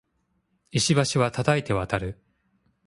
石橋は叩いて渡る